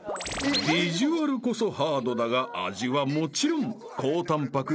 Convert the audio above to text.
［ビジュアルこそハードだが味はもちろん高タンパク